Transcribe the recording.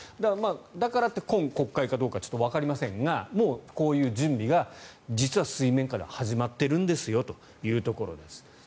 だからといって今国会かはわかりませんがもうこういう準備が実は水面下で始まっているんですよというところです。